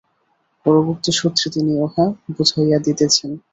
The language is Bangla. পরবর্তী সূত্রে তিনি ইহা বুঝাইয়া দিতেছেন।